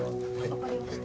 分かりました。